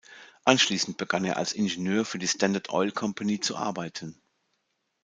Anschließend begann er als Ingenieur für die Standard Oil Company zu arbeiten.